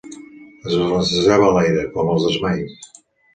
Es balancejava a l'aire, com els desmais.